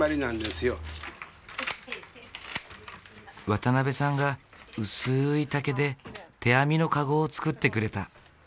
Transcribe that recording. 渡辺さんが薄い竹で手編みの籠を作ってくれた。